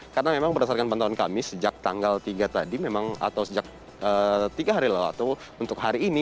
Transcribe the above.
karena memang berdasarkan pantauan kami sejak tanggal tiga tadi atau sejak tiga hari lalu atau untuk hari ini